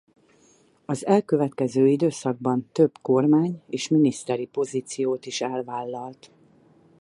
Az elkövetkező időszakban több kormány- és miniszteri pozíciót is elvállalt.